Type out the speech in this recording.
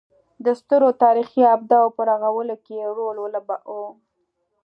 د سترو تاریخي ابدو په رغولو کې یې رول ولوباوه.